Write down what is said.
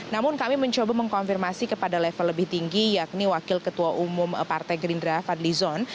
namun kami mencoba mengkonfirmasi kepada level lebih tinggi yakni wakil ketua umum partai gerindra fadli zon